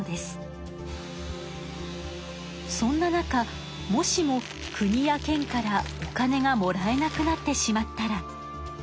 そんな中もしも国や県からお金がもらえなくなってしまったら。